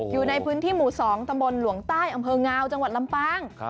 อยู่ในพื้นที่หมู่๒ตำบลหลวงใต้อำเภองาวจังหวัดลำปาง